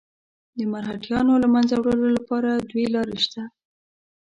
د مرهټیانو له منځه وړلو لپاره دوې لارې شته.